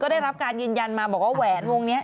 ได้รับการยืนยันมาบอกว่าแหวนวงนี้